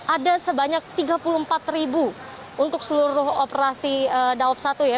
ada sebanyak tiga puluh empat ribu untuk seluruh operasi daob satu ya